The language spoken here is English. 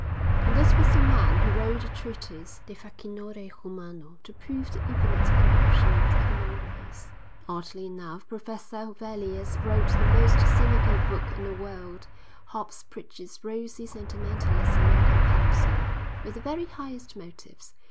And this was the man who wrote the treatise "De Facinore Humano"; to prove the infinite corruption of the human race. Oddly enough, Professor Huvelius wrote the most cynical book in the world—Hobbes preaches rosy sentimentalism in comparison—with the very highest motives.